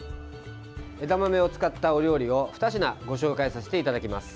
枝豆を使ったお料理を２品ご紹介させていただきます。